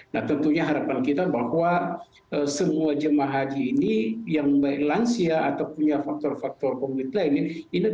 nah tentunya harapan kita bahwa semua jemaah haji ini yang baik lansia atau punya faktor faktor covid lainnya